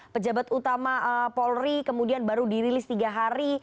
pejabat utama polri kemudian baru dirilis tiga hari